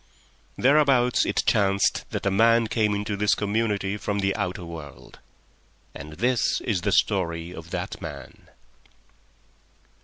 Thereabout it chanced that a man came into this community from the outer world. And this is the story of that man.